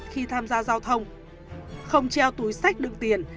khi tham gia giao thông không treo túi sách đựng tiền